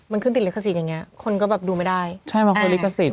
มันขึ้นติดลิขสิทธิ์อย่างเงี้คนก็แบบดูไม่ได้ใช่บางคนลิขสิทธ